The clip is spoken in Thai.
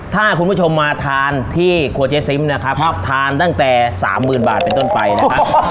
ถ้าคุณผู้ชมมาทานที่ครัวเจ๊ซิมนะครับทานตั้งแต่๓๐๐๐บาทเป็นต้นไปนะครับ